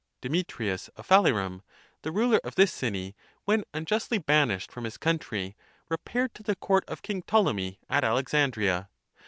Demetrius of Phajenim, the ruler of this city, when unjustly banished from his country, repaired to the court of King Ptolemy at Alexandria.